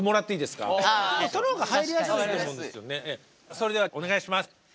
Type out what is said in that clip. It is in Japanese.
それではお願いします。